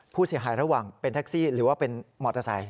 ผู้เสียหายระหว่างเป็นแท็กซี่หรือว่าเป็นมอเตอร์ไซต์